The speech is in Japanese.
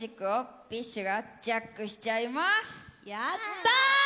やった！